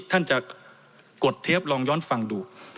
ท่านจะกดเทปลองย้อนฟังดู